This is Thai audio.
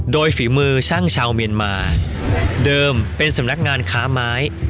โดยฝีมือช่างชาวเมียนมาเดิมเป็นสำนักงานค้าไม้